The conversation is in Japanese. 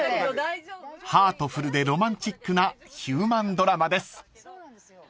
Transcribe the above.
［ハートフルでロマンチックなヒューマンドラマです］